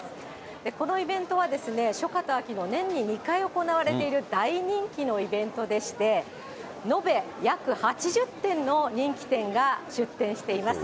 このイベントはですね、初夏と秋の年に２回行われている大人気のイベントでして、延べ、約８０点の人気店が出店しています。